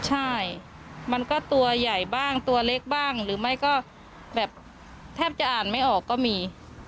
ใช่มันก็ตัวใหญ่บ้างตัวเล็กบ้างหรือไม่ก็แบบแทบจะอ่านไม่ออกก็มี